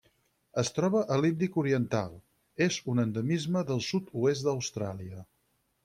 Es troba a l'Índic oriental: és un endemisme del sud-oest d'Austràlia.